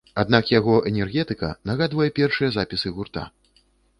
Аднак яго энергетыка нагадвае першыя запісы гурта.